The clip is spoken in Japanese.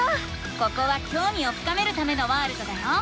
ここはきょうみを深めるためのワールドだよ。